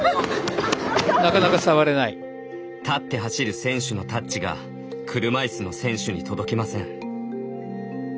立って走る選手のタッチが車いすの選手に届きません。